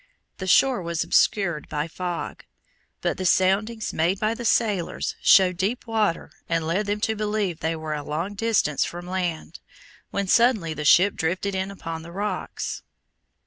The shore was obscured by fog, but the soundings made by the sailors showed deep water and led them to believe they were a long distance from land, when suddenly the ship drifted in upon the rocks.